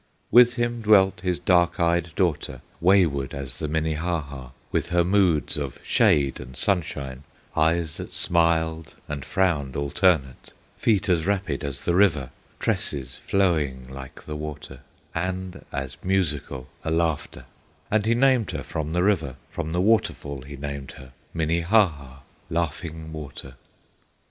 With him dwelt his dark eyed daughter, Wayward as the Minnehaha, With her moods of shade and sunshine, Eyes that smiled and frowned alternate, Feet as rapid as the river, Tresses flowing like the water, And as musical a laughter: And he named her from the river, From the water fall he named her, Minnehaha, Laughing Water.